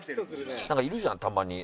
なんかいるじゃんたまに。